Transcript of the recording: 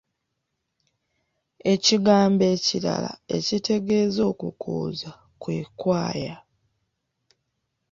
Ekigambo ekirala ekitegeeza okukooza kwe kwaya.